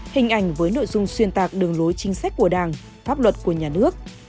hình ảnh với nội dung xuyên tạc đường lối chính sách của đảng pháp luật của nhà nước